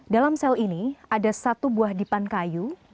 dalam sel ini ada satu buah dipan kayu